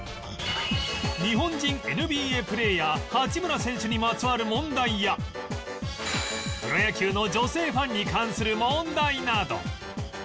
日本人 ＮＢＡ プレーヤー八村選手にまつわる問題やプロ野球の女性ファンに関する問題など